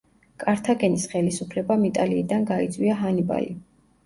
კართაგენის ხელისუფლებამ იტალიიდან გაიწვია ჰანიბალი.